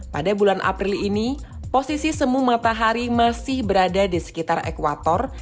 pada bulan april ini posisi semu matahari masih berada di sekitar ekwator